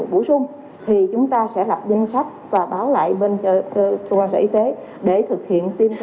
một bổ sung thì chúng ta sẽ lập danh sách và báo lại bên cơ quan sở y tế để thực hiện tiêm cho